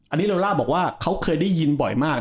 อันนี้โลล่าบอกว่าเขาเคยได้ยินบ่อยมาก